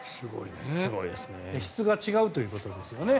質が違うということですね。